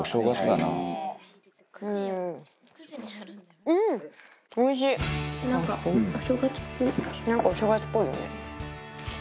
なんかお正月っぽいよね。